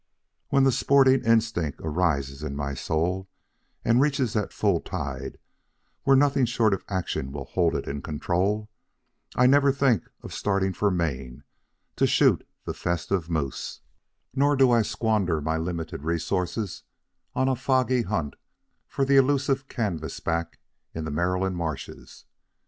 When the sporting instinct arises in my soul and reaches that full tide where nothing short of action will hold it in control, I never think of starting for Maine to shoot the festive moose, nor do I squander my limited resources on a foggy hunt for the elusive canvasback in the Maryland marshes.